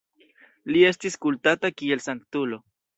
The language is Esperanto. Li estis kultata kiel sanktulo.